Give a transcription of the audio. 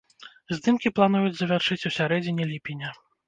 Здымкі плануюць завяршыць у сярэдзіне ліпеня.